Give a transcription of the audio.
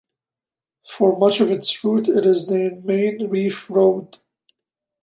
For much of its route it is named Main Reef Road.